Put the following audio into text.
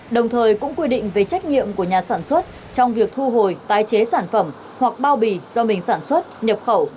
đồng thời cũng quy định về trách nhiệm của nhà sản xuất trong việc thu hồi tái chế sản phẩm hoặc bao bì do mình sản xuất nhập khẩu